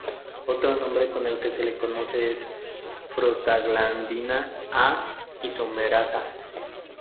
Otro nombre con el que se la conoce es "prostaglandina A isomerasa".